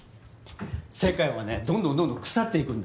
世界はねどんどんどんどん腐っていくんだよ。